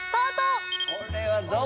これはどう？